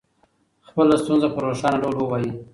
خپله ستونزه په روښانه ډول ووایئ.